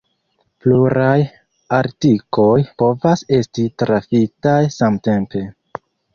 Pluraj artikoj povas esti trafitaj samtempe.